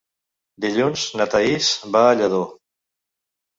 Dilluns na Thaís va a Lladó.